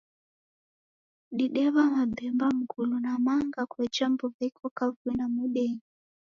Didew'a mabemba, mngulu na manga kwa ija mbuw'a iko kavui na modenyi.